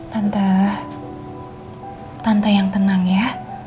tante tante yang tenang ya